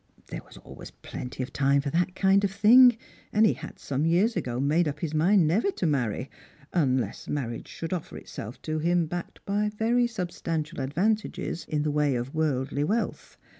There was always plenty of time for that kind of thing, and he had some years ago made up his mind never to marry, unless marriage should offer itself to him backed by very substantial advantages in the way of worldly wealth.